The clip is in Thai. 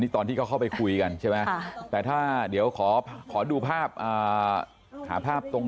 ตอนที่เขาเข้าไปคุยกันใช่ไหมแต่ถ้าเดี๋ยวขอดูภาพหาภาพตรง